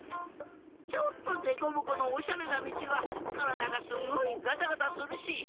ちょっとデコボコのおしゃれなみちはからだがすごいガタガタするし。